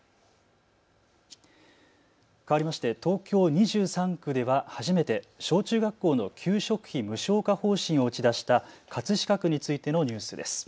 かわりまして、東京２３区では初めて小中学校の給食費無償化方針を打ち出した葛飾区についてのニュースです。